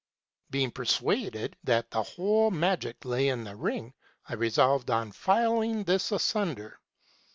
" Being persuaded that the whole magic lay in the ring, I resolved on filing this asunder.